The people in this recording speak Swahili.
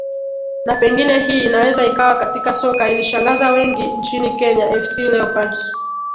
na pengine hii inaweza ikawa katika soka ilishangaza wengi nchini kenya fc leopards